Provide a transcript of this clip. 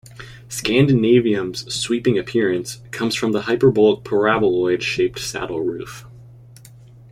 Scandinavium's "sweeping appearance" comes from the hyperbolic paraboloid shaped saddle roof.